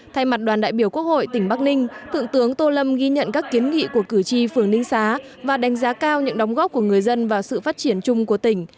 thay mặt đoàn đại biểu quốc hội tỉnh bắc ninh thượng tướng tô lâm ghi nhận các kiến nghị của cử tri phường ninh xá và đánh giá cao những đóng góp của người dân vào sự phát triển chung của tỉnh